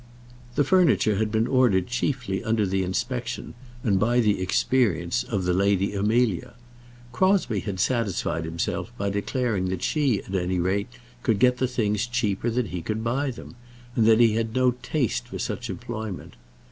The furniture had been ordered chiefly under the inspection, and by the experience, of the Lady Amelia. Crosbie had satisfied himself by declaring that she at any rate could get the things cheaper than he could buy them, and that he had no taste for such employment.